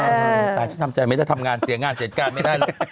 ตายฉันทำใจไม่ได้ทำงานเสียงานเสียการไม่ได้เลย